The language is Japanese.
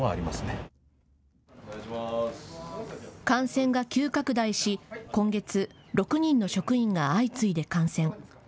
感染が急拡大し今月、６人の職員が相次いで感染。